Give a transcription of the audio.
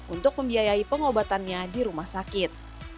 untuk membiayai pengobatannya di rumah sakit